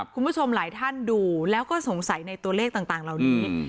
คุณผู้ชมหลายท่านดูแล้วก็สงสัยในตัวเลขต่างเหล่านี้